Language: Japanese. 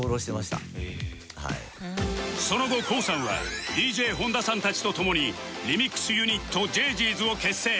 その後 ＫＯＯ さんは ｄｊｈｏｎｄａ さんたちと共にリミックスユニット ＪＧ’ｓ を結成